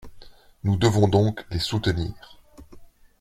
Nous devons donc les soutenir.